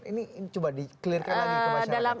ini coba di clearkan lagi ke masyarakat